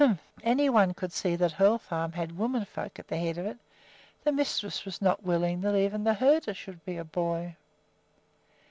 Humph! any one could see that Hoel Farm had women folk at the head of it. The mistress was not willing that even the herder should be a boy.